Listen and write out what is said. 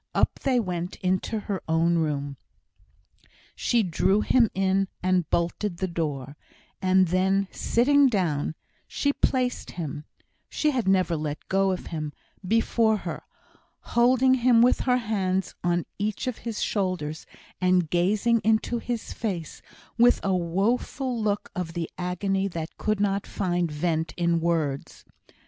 Up they went into her own room. She drew him in, and bolted the door; and then, sitting down, she placed him (she had never let go of him) before her, holding him with her hands on each of his shoulders, and gazing into his face with a woeful look of the agony that could not find vent in words.